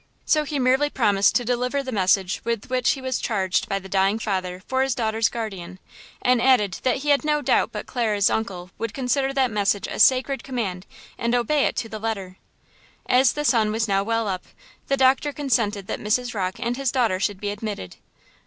So he merely promised to deliver the message with which he was charged by the dying father for his daughter's guardian, and added that he had no doubt but Clara's uncle would consider that message a sacred command and obey it to the letter. As the sun was now well up, the doctor consented that Mrs. Rocke and his daughter should be admitted.